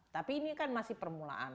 tapi ini kan masih permulaan